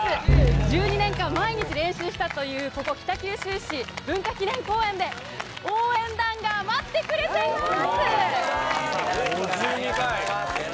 １２年間、毎日練習したというここ、北九州市文化記念公園で、応援団が待ってくれています。